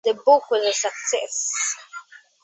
The book was a success.